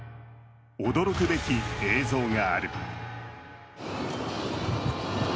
驚くべき映像がある。